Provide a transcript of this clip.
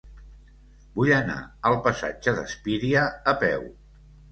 Vull anar al passatge d'Espíria a peu.